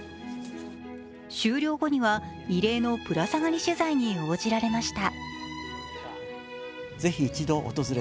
終了後には異例のぶら下がり取材に応じられました。